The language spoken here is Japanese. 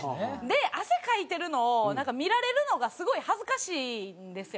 汗かいてるのを見られるのがすごい恥ずかしいんですよ。